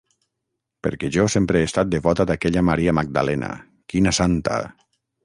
Perquè jo sempre he estat devota d'aquella Maria Magdalena, quina santa!